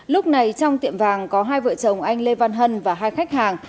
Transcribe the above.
lúc này trong tiệm vàng có hai vợ chồng anh lê văn hân và hai khách hàng